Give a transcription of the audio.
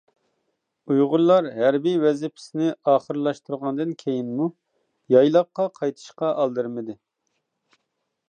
ئۇيغۇرلار ھەربىي ۋەزىپىسىنى ئاخىرلاشتۇرغاندىن كېيىنمۇ يايلاققا قايتىشقا ئالدىرىمىدى.